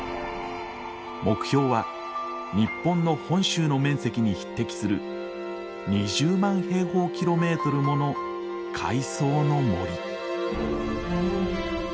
目標は日本の本州の面積に匹敵する２０万平方キロメートルもの海藻の森。